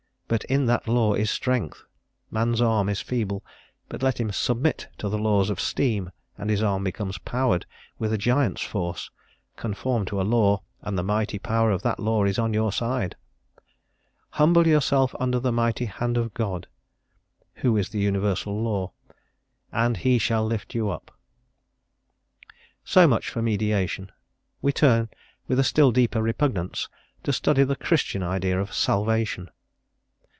But in that law is strength; man's arm is feeble, but let him submit to the laws of steam, and his arm becomes dowered with a giant's force; conform to a law, and the mighty power of that law is on your side; "humble yourself under the mighty hand of God," who is the Universal Law, "and He shall lift you up." So much for mediation. We turn with a still deeper repugnance to study the Christian idea of "Salvation."